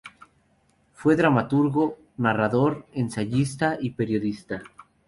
Fue dramaturgo, narrador, ensayista y periodista.